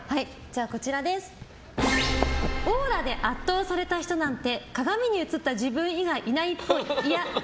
オーラで圧倒された人なんて鏡に映った自分以外いないっぽい。